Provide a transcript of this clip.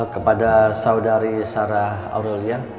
kepada saudari sarah aurelia